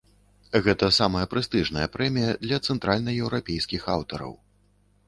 Гэта самая прэстыжная прэмія для цэнтральнаеўрапейскіх аўтараў.